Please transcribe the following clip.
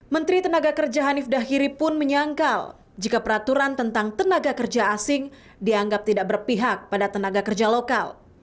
menteri tenaga kerja hanif dahiri pun menyangkal jika peraturan tentang tenaga kerja asing dianggap tidak berpihak pada tenaga kerja lokal